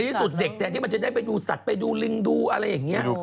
ในที่สุดเด็กจะได้ไปดูสัตว์ไปดูลิงดูอะไรอย่างนี้